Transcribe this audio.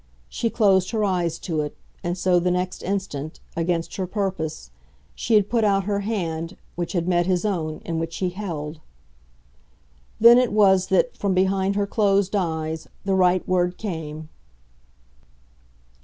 She closed her eyes to it, and so, the next instant, against her purpose, she had put out her hand, which had met his own and which he held. Then it was that, from behind her closed eyes, the right word came.